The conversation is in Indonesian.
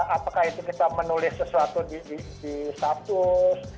apakah itu kita menulis sesuatu di status